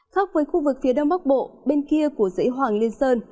khác với khu vực phía đông bắc bộ bên kia của dãy hoàng liên sơn